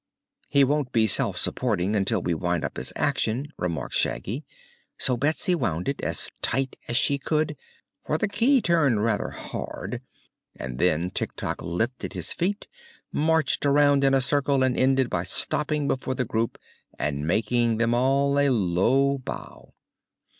"He won't be self supporting until we wind up his action," remarked Shaggy; so Betsy wound it, as tight as she could for the key turned rather hard and then Tik Tok lifted his feet, marched around in a circle and ended by stopping before the group and making them all a low bow.